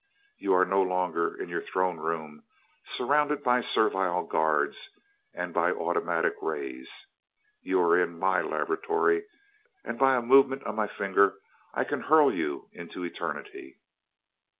"You are no longer in your throne room, surrounded by servile guards and by automatic rays. You are in MY laboratory, and by a movement of my finger I can hurl you into eternity!"